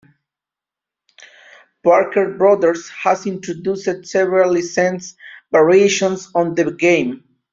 Parker Brothers has introduced several licensed variations on the game.